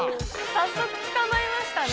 早速つかまえましたね。